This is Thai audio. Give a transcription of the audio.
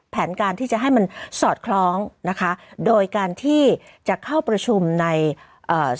แผนการที่จะให้มันสอดคล้องนะคะโดยการที่จะเข้าประชุมในเอ่อ